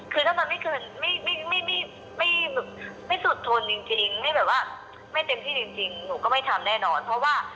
คือเท่าไหร่คือไม่บิดเมื่อเมืองไม่สุดค้นจริงไม่ว่าจะแบบไม่เต็มที่จริงมำก็ไม่ทำแน่นอนเพราะว่า